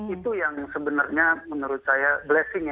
itu yang sebenarnya menurut saya blessingnya